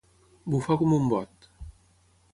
Bufar com un bot.